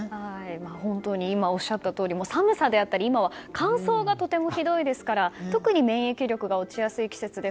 本当に今おっしゃったとおり寒さであったり乾燥がとてもひどいですから特に免疫力が落ちやすい季節です。